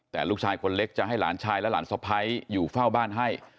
แต่ลูกชายคนเล็กจะให้หลานชายและหลานสะพ้ายอยู่เฝ้าบ้านให้